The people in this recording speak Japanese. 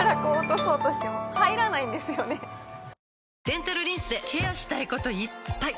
デンタルリンスでケアしたいこといっぱい！